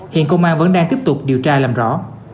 hiện công an vẫn đang tiếp tục điều tra làm rõ